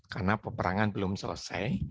karena peperangan belum selesai